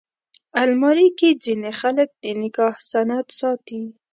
الماري کې ځینې خلک د نکاح سند ساتي